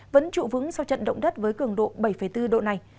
vẫn trụ vững sau trận động đất với cường độ bảy bốn độ này